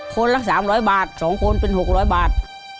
คนละ๓๐๐บาท๒คนเป็น๖๐๐บาท